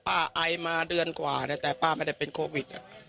ไอมาเดือนกว่าแต่ป้าไม่ได้เป็นโควิด